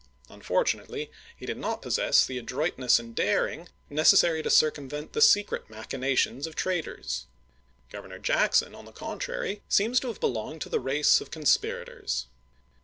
Unfortunately, he did not pos sess the adroitness and daring necessary to circum vent the secret machinations of traitors. Governor Jackson, on the contrary, seems to have belonged to the race of conspirators.